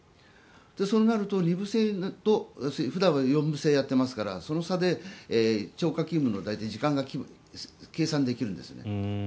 そうなると２部制は普段は４部制をやっていますからその差で超過勤務の大体時間が計算できるんです。